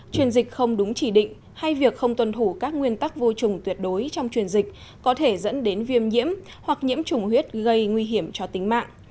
truyền dịch không đúng chỉ định hay việc không tuân thủ các nguyên tắc vô trùng tuyệt đối trong truyền dịch có thể dẫn đến viêm nhiễm hoặc nhiễm trùng huyết gây nguy hiểm cho tính mạng